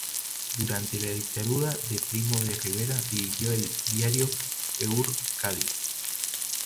Durante la dictadura de Primo de Rivera dirigió el diario "Euzkadi".